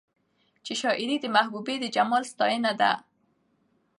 چې شاعري د محبوبې د جمال ستاينه ده